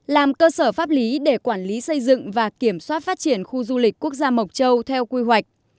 làm cơ sở pháp lý để quản lý xây dựng và kiểm soát phát triển khu du lịch quốc gia mộc châu theo quy hoạch